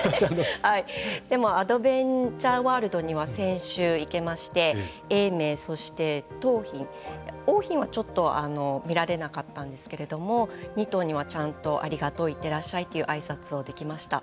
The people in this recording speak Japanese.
でもアドベンチャーワールドには先週、行けまして永明、そして桃浜桜浜はちょっと見られなかったんですけれども２頭にはちゃんとありがとういってらっしゃいというあいさつができました。